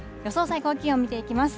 最高気温見ていきます。